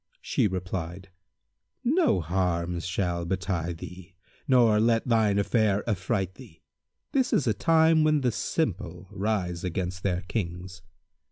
She replied, "No harm shall betide thee, nor let thine affair affright thee. This is a time when the simple rise against their Kings."